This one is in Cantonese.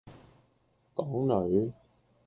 港女